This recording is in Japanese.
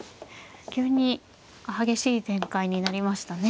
急に激しい展開になりましたね。